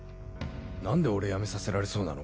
なんで俺辞めさせられそうなの？